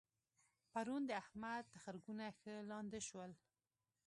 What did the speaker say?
پرون د احمد تخرګونه ښه لانده شول.